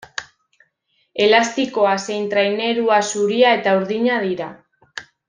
Elastikoa zein trainerua zuria eta urdina dira.